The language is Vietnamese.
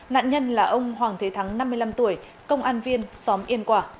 nạn nhân là ông hoàng thế thắng năm mươi năm tuổi công an viên xóm yên quả